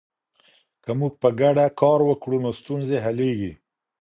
که موږ په ګډه کار وکړو نو ستونزې حلیږي.